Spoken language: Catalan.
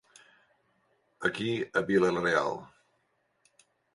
Aquí a Vila-Real.